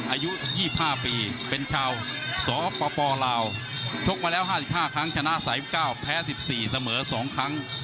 อายุ๒๕ปีเป็นชาวสปลาวชกมาแล้ว๕๕ครั้งชนะ๓๙แพ้๑๔เสมอ๒ครั้ง